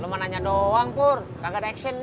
lo mah nanya doang pur gak ada aksi nah